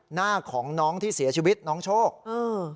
หน้าของน้องที่เสียชีวิตน้องโชคอืม